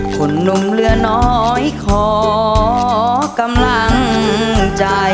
หนุ่มเหลือน้อยขอกำลังใจ